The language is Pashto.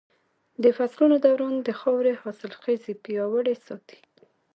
د فصلونو دوران د خاورې حاصلخېزي پياوړې ساتي.